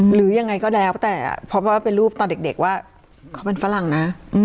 หรือยังไงก็แล้วแต่เพราะว่าเป็นรูปตอนเด็กว่าเขาเป็นฝรั่งนะ